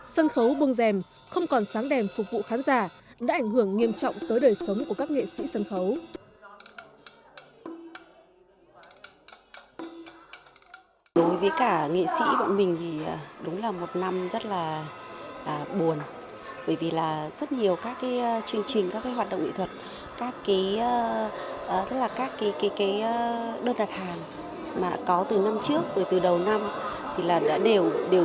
sân khấu buông rèm không còn sáng đèn phục vụ khán giả đã ảnh hưởng nghiêm trọng tới đời sống của các nghệ sĩ sân khấu